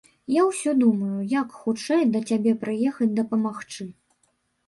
Я ўсё думаю, як хутчэй да цябе прыехаць дапамагчы.